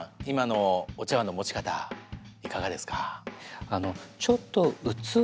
今のお茶わんの持ち方いかがですか？